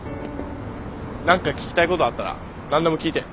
何か聞きたいことあったら何でも聞いてよ。